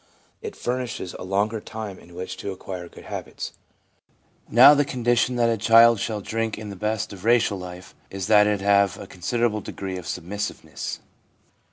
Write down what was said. It furnishes a longer time in which to acquire good habits. Now the condition that a child shall drink in the best of racial life is that it have a con siderable degree of submissiveness.